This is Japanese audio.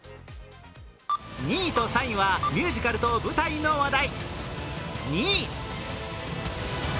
２位と３位はミュージカルと舞台の話題。